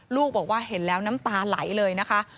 ลูกบอกว่าเห็นแล้วน้ำตาไหลเลยนะคะ